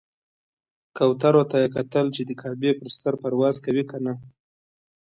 کوترو ته یې کتل چې د کعبې پر سر پرواز کوي کنه.